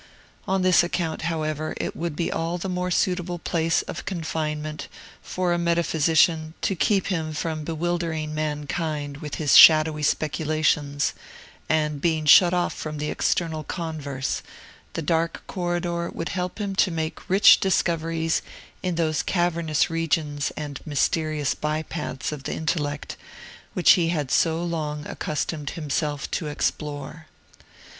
On this account, however, it would be all the more suitable place of confinement for a metaphysician, to keep him from bewildering mankind with his shadowy speculations; and, being shut off from external converse, the dark corridor would help him to make rich discoveries in those cavernous regions and mysterious by paths of the intellect, which he had so long accustomed himself to explore.